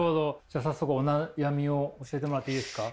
じゃあ早速お悩みを教えてもらっていいですか？